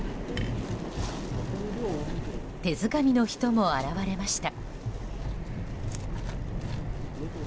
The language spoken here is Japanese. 手づかみの人も現れました。